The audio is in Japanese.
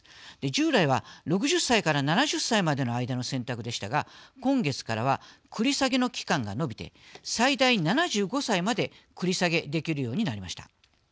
従来は、６０歳から７０歳までの間の選択でしたが今月からは繰り下げの期間が延びて最大７５歳まで繰り下げできるようになりました。